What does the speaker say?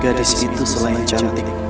gadis itu selain cantik